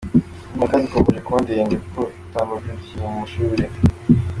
Impaka zikomeje kuba ndende ku itangwa ry’udukingirizo mu mashuri